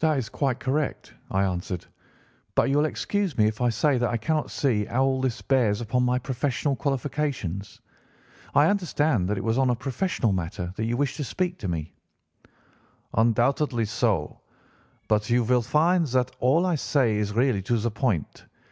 "'That is quite correct,' I answered; 'but you will excuse me if I say that I cannot see how all this bears upon my professional qualifications. I understand that it was on a professional matter that you wished to speak to me?' "'Undoubtedly so. But you will find that all I say is really to the point.